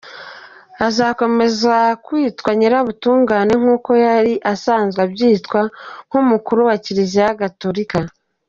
Azananakomeza kwitwa Nyirubutungane nk’uko yari asanzwe abyitwa nk’umukuru wa Kiliziya Gatolika.